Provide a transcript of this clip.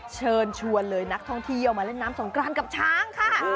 เชิญชวนเลยนักท่องเที่ยวมาเล่นน้ำสงกรานกับช้างค่ะ